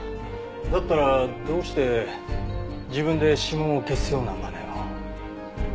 だったらどうして自分で指紋を消すようなまねを。